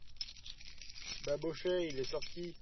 Babochet Il est sorti.